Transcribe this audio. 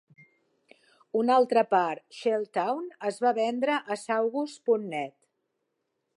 Una altra part, ShellTown, es va vendre a Saugus punt net.